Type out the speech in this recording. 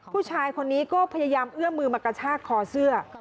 ผู้ชายคนนี้ก็พยายามเอื้อมมือมากระชากคอเสื้อ